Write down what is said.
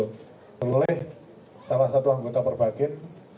teroleh salah satu anggota perbagian